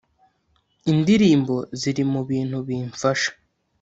indirimbo ziri mu bintu bimfasha